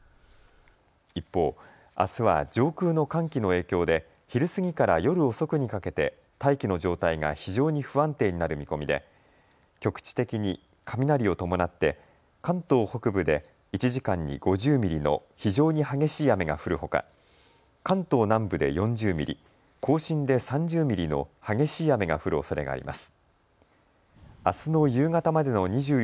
一方、あすは上空の寒気の影響で昼過ぎから夜遅くにかけて大気の状態が非常に不安定になる見込みで局地的に雷を伴って関東北部で１時間に５０ミリの非常に激しい雨が降るほか、関東南部で４０ミリ、甲信で３０ミリの激しい雨が降るおそれがあります。